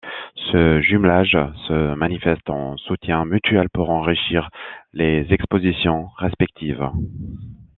Ce jumelage se manifeste en soutien mutuel pour enrichir les expositions respectives.